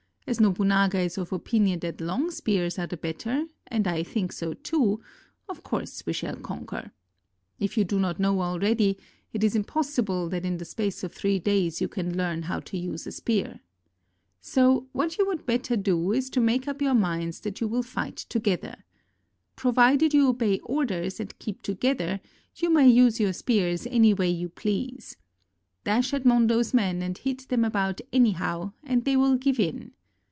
As Nobunaga is of opinion that long spears are the better and I think so, too, of course we shall conquer. If you do not know already, it is impossible that in the space of three days you can learn how to use a spear. So what you would better do is to make up your minds that you will fight together. Provided you obey orders and keep together, you may use your spears any way you please. Dash at Mondo's men and hit them about anyhow and they will give in.